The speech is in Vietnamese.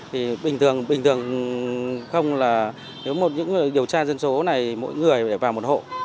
thì bình thường không là nếu một những điều tra dân số này mỗi người phải vào một hộ